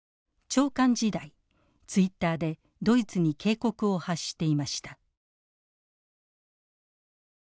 長官時代ツイッターでドイツに警告を発していました。